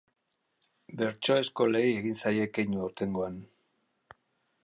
Bertso eskolei egin zaie keinu aurtengoan.